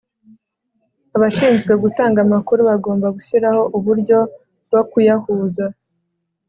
abashinzwe gutanga amakuru bagomba gushyiraho uburyo bwo kuyahuza